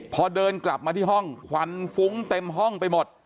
พอเดินกลับมาที่ห้องควันฟุ้งเต็มห้องไปหมด